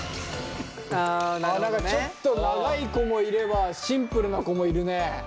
ちょっと長い子もいればシンプルな子もいるね。